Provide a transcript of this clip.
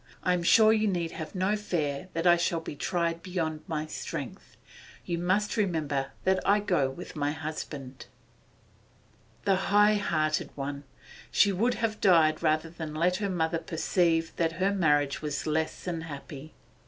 'I am sure you need have no fear that I shall be tried beyond my strength. You must remember that I go with my husband.' The high hearted one! She would have died rather than let her mother perceive that her marriage was less than happy.